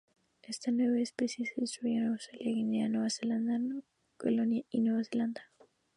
Esta especie se distribuye por Australia, Nueva Guinea, Nueva Caledonia y Nueva Zelanda.